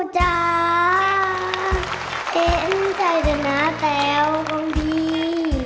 เต้นใจจนนะแก้วของพี่